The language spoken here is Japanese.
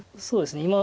そうですね